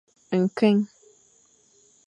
Nkueng.